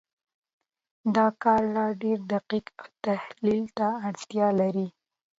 دا کار لا ډېر دقت او تحلیل ته اړتیا لري.